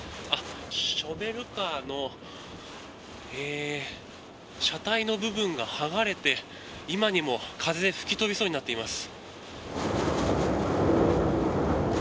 ショベルカーの車体の部分が剥がれて今にも風で吹き飛びそうになっています。